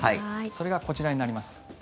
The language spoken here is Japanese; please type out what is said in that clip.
それがこちらになります。